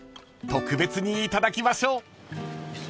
特別にいただきましょう］